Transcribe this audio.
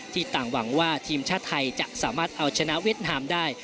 ต่างหวังว่าทีมชาติไทยจะสามารถเอาชนะเวียดนามได้